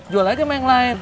jual aja sama yang lain